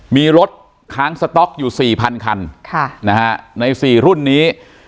มีรถค้างสต๊อกอยู่๔๐๐คันใน๔รุ่นนี้